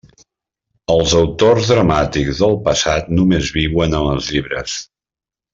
Els autors dramàtics del passat només viuen en els llibres.